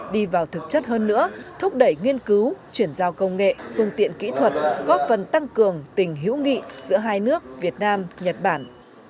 đi vào thực chất hơn nữa thúc đẩy nghiên cứu chuyển giao công nghệ phương tiện kỹ thuật góp phần tăng cường tình hữu nghị giữa hai nước việt nam nhật bản